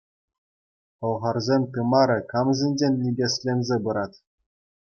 Пӑлхарсен тымарӗ камсенчен никӗсленсе пырать?